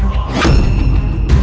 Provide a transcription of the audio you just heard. kau ialah orang